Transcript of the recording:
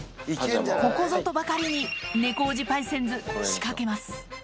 ここぞとばかりに猫おじパイセンズ、仕掛けます。